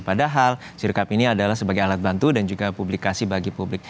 padahal sirkup ini adalah sebagai alat bantu dan juga publikasi bagi publik